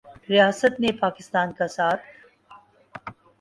ریاست نے پاکستان کا ساتھ